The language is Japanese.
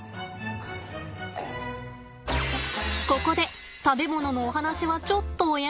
ここで食べ物のお話はちょっとお休み。